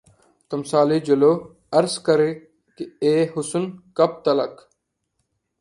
تمثالِ جلوہ عرض کر اے حسن! کب تلک